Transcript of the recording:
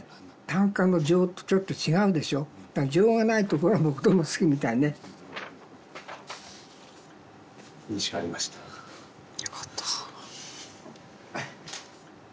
短歌の情とちょっと違うでしょだから情がないところが僕どうも好きみたいねいい詩がありましたよかった